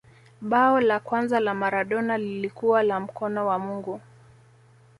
bao la kwanza la maradona lilikuwa la mkono wa mungu